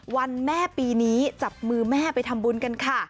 วันแม่ปีนี้จับมือแม่ไปทำบุญกันค่ะ